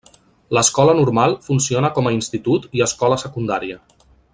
L'Escola Normal funciona com a institut i escola secundària.